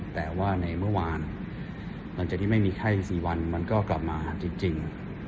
แต่ว่าในเมื่อวานมันจะได้ไม่มีไข้๔วันมันก็กลับมาจริง